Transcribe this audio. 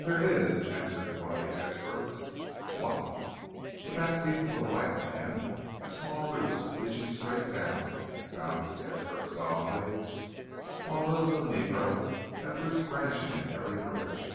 "There is," answered one of the "experts." "What?" "The back teeth of a white man have small roots reaching straight down," expounded the "expert" solemnly, "while those of a negro have roots branching in every direction."